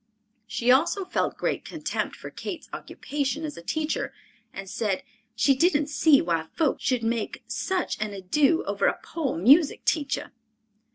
She also felt great contempt for Kate's occupation as a teacher, and said, "She didn't see why folks should make such an ado over a poor music teacher."